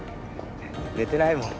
寝てないもん。